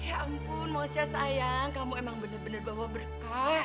ya ampun mosya sayang kamu emang benar benar bawa berkah